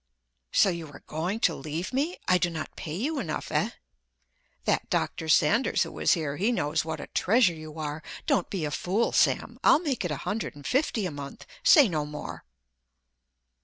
"So you are going to leave me—I do not pay you enough, eh? That Doctor Sanders who was here—he knows what a treasure you are. Don't be a fool, Sam; I'll make it a hundred and fifty a month—say no more."